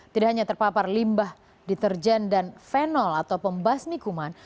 tidak hanya terpapar limbah diterjen dan fenol atau pembas mikuman